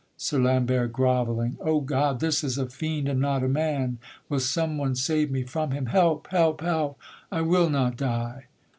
SIR LAMBERT, grovelling. O God! this is a fiend and not a man; Will some one save me from him? help, help, help! I will not die.